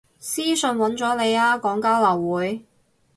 私訊搵咗你啊，講交流會